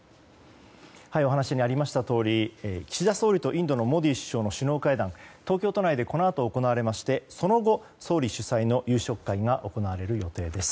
お話にありましたように岸田総理とインドのモディ首相の首脳会談は東京都内でこのあと行われましてその後、総理主催の夕食会が行われる予定です。